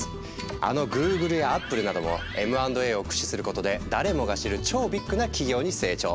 あのＧｏｏｇｌｅやＡｐｐｌｅなどもＭ＆Ａを駆使することで誰もが知る超ビッグな企業に成長。